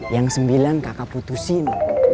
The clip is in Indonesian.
yang sembilan kakak putusin